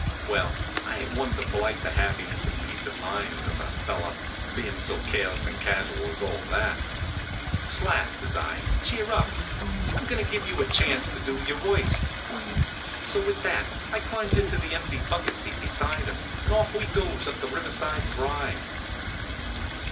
Well, I ain t one to blight the happiness and peace of mind of a fellow being so careless and casual as all that. " Slat," says I, " cheer up. I m going to give you a chance to do your worst." So with that I climbs into the empty bucket seat beside him, and off we goes up towards Riverside Drive.